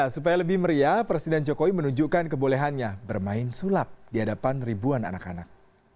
supaya lebih meriah presiden jokowi menunjukkan kebolehannya bermain sulap di hadapan ribuan anak anak